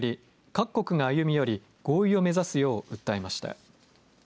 各国が歩み寄り合意を目指すよう訴えました。